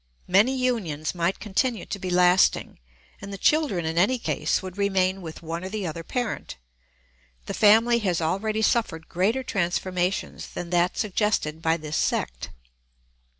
Many unions might continue to be lasting, and the children in any case would remain with one or the other parent. The family has already suffered greater transformations than that suggested by this sect.